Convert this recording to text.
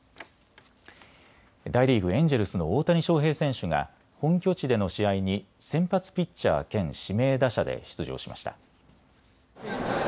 大リーグ、エンジェルスの大谷翔平選手が本拠地での試合に先発ピッチャー兼指名打者で出場しました。